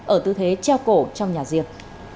ở tư thế treo cổ trong nhà riêng